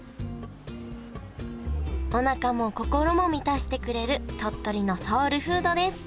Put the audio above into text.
おなかも心も満たしてくれる鳥取のソウルフードです